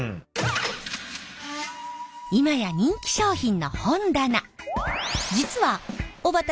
今や人気商品の本棚。